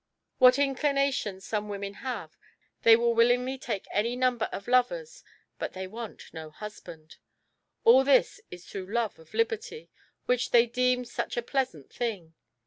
What inclinations some women have, they will willingly take any number of lovers but they want no husband! All this is through love of liberty, which they deem such a pleasant thing.